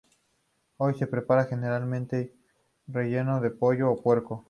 Hoy se prepara generalmente relleno de pollo o puerco.